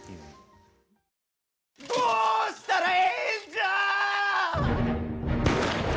どうしたらええんじゃ！